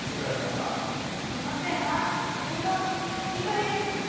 この手はりんご２個です！